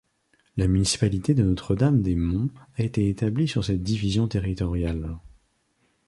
La municipalité de Notre-Dame-des-Monts a été établie sur cette division territoriale.